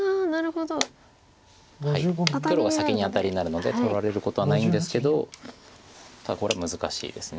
黒が先にアタリになるので取られることはないんですけどただこれ難しいです。